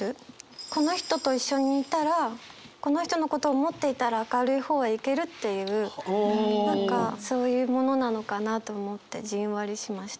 この人と一緒にいたらこの人のことを思っていたら明るい方へ行けるっていう何かそういうものなのかなと思ってじんわりしました。